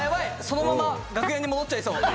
そのまま楽屋に戻っちゃいそう。